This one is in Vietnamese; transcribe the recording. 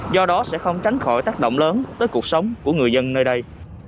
do đó sẽ không tránh khỏi tác động lớn tới cuộc sống của người dân nơi đây